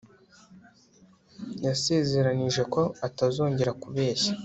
Yasezeranije ko atazongera kubeshya